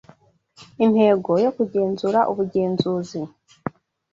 intego yo kugenzura ubugenzuzi